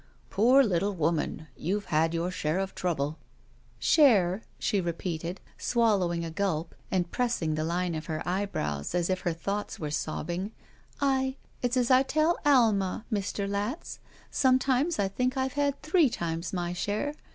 "Poor little woman, you've had your share of trouble." "Share," she repeated, swallowing a gulp and pressing the line of her eyebrows as if her thoughts 8 SHE WALKS IN BEAUTY were sobbing. "I — It's as I tell Alma, Mr. Latz, sometimes I think I've had three times my share.